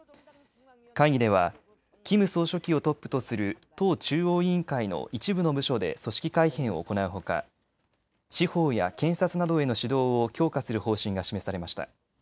会議ではキム総書記をトップとする党中央委員会の一部の部署で組織改編を行うほか司法や検察などへの指導を強化する方針が示されました。